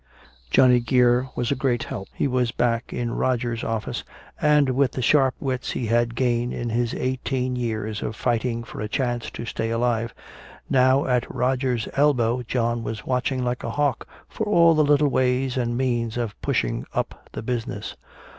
Johnny Geer was a great help. He was back in Roger's office, and with the sharp wits he had gained in his eighteen years of fighting for a chance to stay alive, now at Roger's elbow John was watching like a hawk for all the little ways and means of pushing up the business.